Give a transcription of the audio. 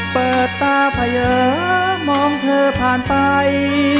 เปิดตาเผยมองเธอผ่านไป